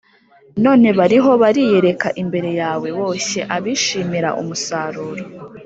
none bariho bariyereka imbere yawe, boshye abishimira umusaruro,